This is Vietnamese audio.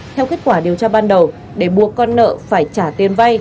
theo kết quả điều tra ban đầu để buộc con nợ phải trả tiền vay